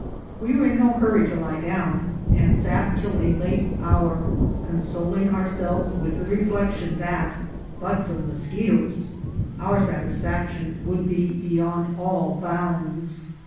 We were in no hur ry to lie down, and sat till a late hour, consoling our selves with the reflection that, but for the moschetoes, our satisfaction would be beyond all bounds.